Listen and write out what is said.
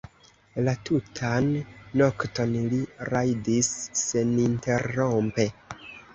La tutan nokton li rajdis seninterrompe.